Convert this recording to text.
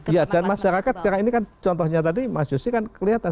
ya dan masyarakat sekarang ini kan contohnya tadi mas yosi kan kelihatan